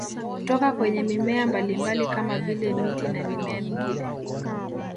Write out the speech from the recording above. Kutoka kwenye mimea mbalimbali kama vile miti na mimea mingine